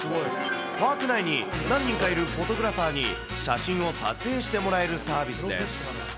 パーク内に何人かいるフォトグラファーに写真を撮影してもらえるサービスです。